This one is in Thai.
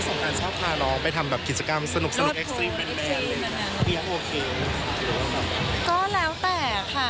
สงการชอบพาน้องไปทำกิจกรรมสนุกแอคซีรีมเป็นแบบนั้นเป็นยังโอเคหรือเปล่า